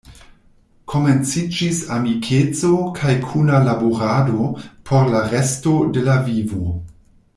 Komenciĝis amikeco kaj kuna laborado por la resto de la vivo.